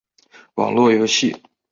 网络游戏